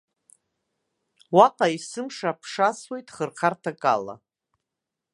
Уаҟа есымша аԥша асуеит хырхарҭак ала.